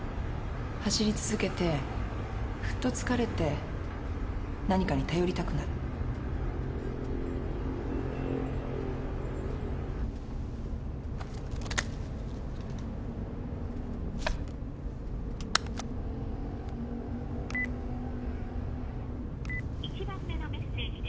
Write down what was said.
走り続けてふっと疲れて何かに頼りたくなる「１番目のメッセージです」